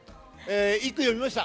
一句詠みました。